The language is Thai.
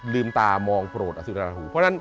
ลืมตามองโปรดอสุรินทราหู